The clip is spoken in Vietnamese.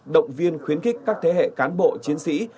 động viên khuyến khích các thế hệ cán bộ chiến sĩ